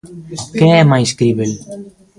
Que é mais críbel?